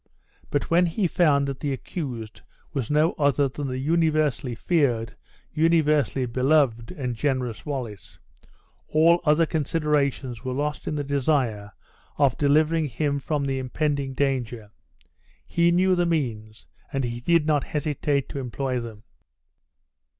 But when he found that the accused was no other than the universally feared, universally beloved, and generous Wallace, all other considerations were lost in the desire of delivering him from the impending danger. He knew the means, and he did not hesitate to employ them.